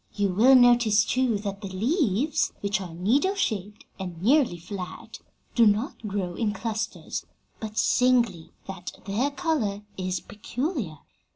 You will notice, too, that the leaves, which are needle shaped and nearly flat, do not grow in clusters, but singly, and that their color is peculiar.